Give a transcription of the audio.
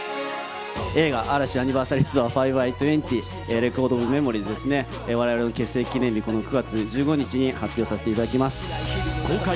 映画、アラシアニバーサリーツアー５×２０レコードオブメモリーですね、われわれ結成記念日９月１５日に発表させていただきます。